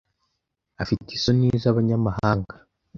Afite isoni z'abanyamahanga.